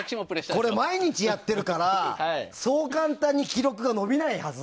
毎日やってるから、そう簡単に記録が伸びないはず。